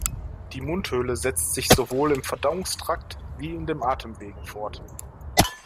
Die Mundhöhle setzt sich sowohl im Verdauungstrakt wie in den Atemwegen fort.